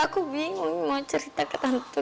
aku bingung mau cerita ke tante